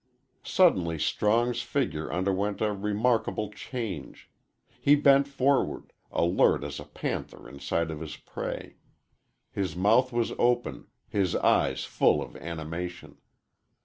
Suddenly Strong's figure underwent a remarkable change. He bent forward, alert as a panther in sight of his prey. His mouth was open, his eyes full of animation.